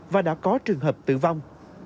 và đã có trường hợp tử vong